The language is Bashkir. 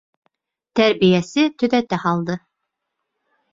Тәрбиәсе төҙәтә һалды: